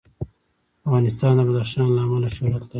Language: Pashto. افغانستان د بدخشان له امله شهرت لري.